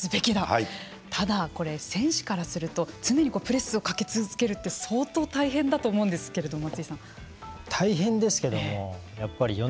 ただ、選手からすると常にプレスをかけ続けるって相当大変だと思うんですけれども。